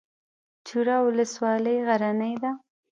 چوره ولسوالۍ غرنۍ ده؟